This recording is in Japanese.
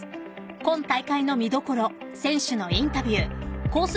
今大会の見どころ選手のインタビューコース